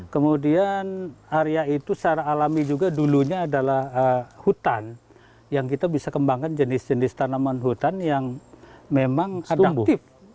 kemudian area itu secara alami juga dulunya adalah hutan yang kita bisa kembangkan jenis jenis tanaman hutan yang memang adaptif